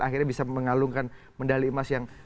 akhirnya bisa mengalungkan medali emas yang